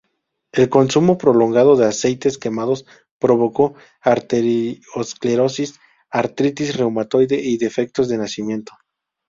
El consumo prolongado de aceites quemados provocó arteriosclerosis, artritis reumatoide y defectos de nacimiento.